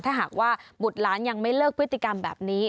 ถ้าหากว่าบุตรล้านยังไม่เลิกพฤติกรรมแบบนี้